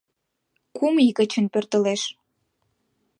Кум ий гычын пӧртылеш